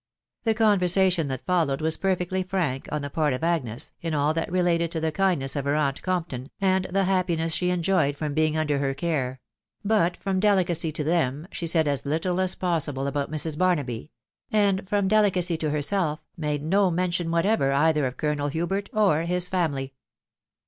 The conversation that followed was perfectly frank, on the, part of Agnes, in all that related to the kindness of her aunt Compton, and the happiness she enjoyed from being under her care ; but, from delicacy to them, she said as little as possible about Mrs. Barnaby ; and from delicacy to herself, made no mention whatever either of Colonel Hubert or his family.